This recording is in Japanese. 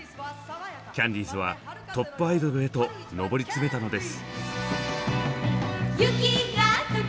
キャンディーズはトップアイドルへと上り詰めたのです。